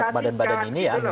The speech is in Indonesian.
badan badan ini ya